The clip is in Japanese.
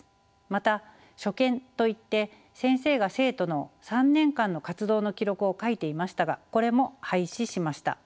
また所見といって先生が生徒の３年間の活動の記録を書いていましたがこれも廃止しました。